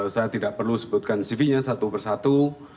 saya tidak perlu sebutkan cv nya satu persatu